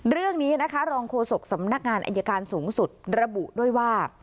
เรื่องนี้นะคะรองโฆษกสำนักงานอายการสูงสุดระบุด้วยว่า